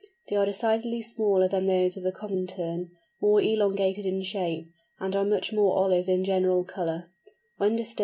They are decidedly smaller than those of the Common Tern, more elongated in shape, and are much more olive in general colour.